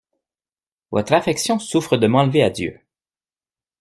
Votre affection souffre de m'enlever à Dieu.